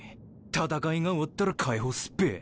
戦いが終わったら解放すっぺ。